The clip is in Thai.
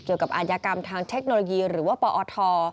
เกี่ยวกับอายกรรมทางเทคโนโลยีหรือว่าปอท